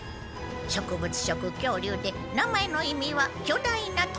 植物食恐竜で名前の意味は巨大なトゲトカゲ。